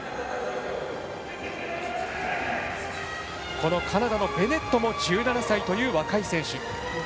このカナダのベネットも１７歳という若い選手。